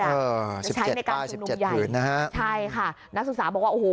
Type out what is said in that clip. ใช้ในการชุมนุมใหญ่นะฮะใช่ค่ะนักศึกษาบอกว่าโอ้โห